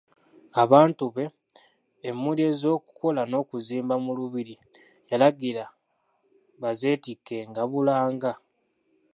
Abantu be, emmuli ez'okukola n'okuzimba mu Lubiri yalagira bazeetikkenga bulanga.